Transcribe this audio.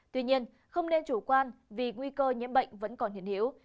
tuy nhiên không nên chủ quan vì nguy cơ nhiễm bệnh vẫn còn hiện hữu